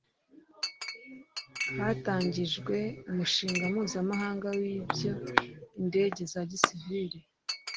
Hatangijwe Umushinga mpuzamahanga w ibyo indege za gisivili